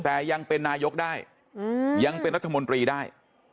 แต่ยังเป็นนายกได้ยังเป็นรัฐมนตรีได้